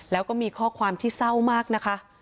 แล้วก็มีข้อความที่เศร้ามากนะคะ